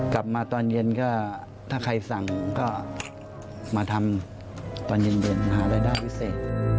กลับมาตอนเย็นก็ถ้าใครสั่งก็มาทำตอนเย็นหารายได้พิเศษ